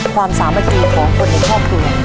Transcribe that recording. ความสามารถรีของคนในครอบครัว